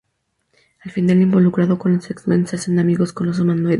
Al final, involucrado con los X-Men, se hacen amigos con los humanoides.